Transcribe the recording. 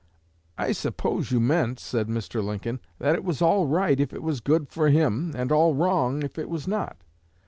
'I suppose you meant,' said Mr. Lincoln, 'that it was all right if it was good for him, and all wrong if it was not.